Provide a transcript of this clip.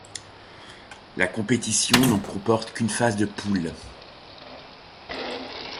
La compétition ne comporte qu'une phase de poule.